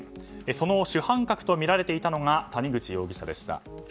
その主犯格とみられていたのが谷口容疑者でした。